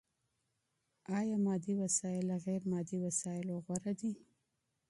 ايا مادي وسايل له غير مادي وسايلو غوره دي؟